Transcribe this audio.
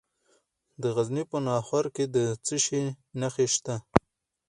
د غزني په ناهور کې د څه شي نښې شته؟